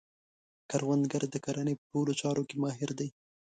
کروندګر د کرنې په ټولو چارو کې ماهر دی